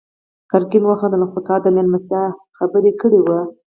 ګرګين وخندل: خو تا د مېلمستيا خبره کړې وه.